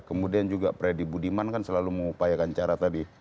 kemudian juga freddy budiman kan selalu mengupayakan cara tadi